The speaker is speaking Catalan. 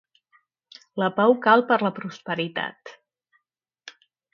La pau cal per la prosperitat.